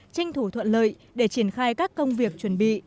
tranh thủ thuận lợi để triển khai các công việc chuẩn bị